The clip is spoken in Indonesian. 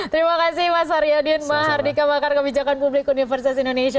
terima kasih mas aryaudin mas hardika makar kebijakan publik universitas indonesia